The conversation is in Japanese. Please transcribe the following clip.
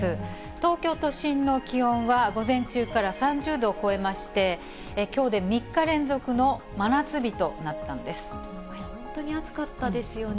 東京都心の気温は、午前中から３０度を超えまして、きょうで３日連続の真夏日となっ本当に暑かったですよね。